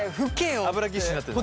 油ギッシュになってんの。